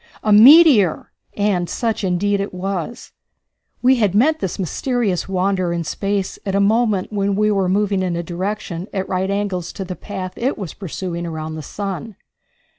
"A meteor!" And such indeed it was. We had met this mysterious wanderer in space at a moment when we were moving in a direction at right angles to the path it was pursuing around the sun.